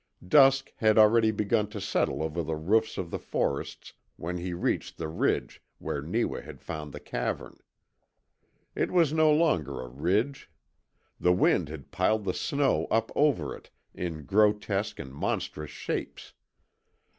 Dusk had already begun to settle over the roofs of the forests when he reached the ridge where Neewa had found the cavern. It was no longer a ridge. The wind had piled the snow up over it in grotesque and monstrous shapes.